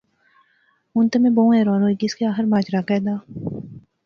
ہن تے میں بہوں حیران ہوئی گیس کہ آخر ماجرا کہہ دا؟